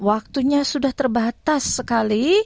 waktunya sudah terbatas sekali